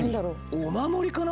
お守りかな？